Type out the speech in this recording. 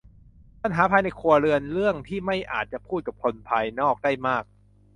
ปัญหาภายในครัวเรือนเรื่องที่ไม่อาจจะพูดกับคนภายนอกได้มาก